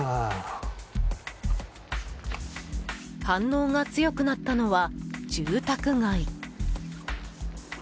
反応が強くなったのは住宅街。